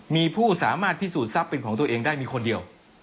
มีผู้สามารถพิสูจนทรัพย์เป็นของตัวเองได้มีคนเดียว